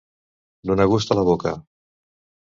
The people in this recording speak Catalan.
Donar gust a la boca.